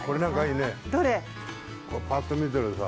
パッと見てさ。